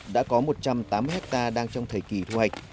đã có một trăm tám mươi hectare đang trong thời kỳ thu hoạch